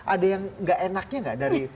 ada yang gak enaknya nggak dari